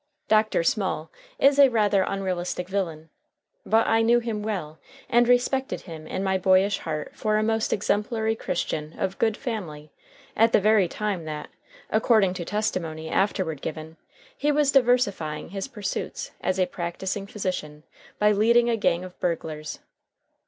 Dr. Small is a rather unrealistic villain, but I knew him well and respected him in my boyish heart for a most exemplary Christian of good family at the very time that, according to testimony afterward given, he was diversifying his pursuits as a practising physician by leading a gang of burglars.